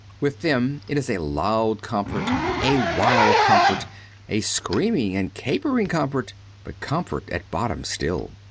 With them it is a loud comfort, a wild comfort, a screaming and capering comfort ; but comfort at bottom still.